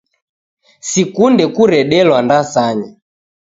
Sikunde kuredelwa ndasanya.